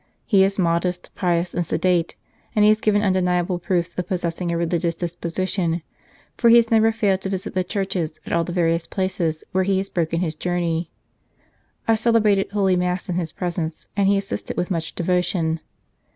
He is modest, pious, and sedate, and he has given undeniable proofs of possessing a religious disposition ; for he has never failed to visit the churches at all the various places where he has broken his journey. I celebrated Holy Mass in his presence, and he assisted with much devotion.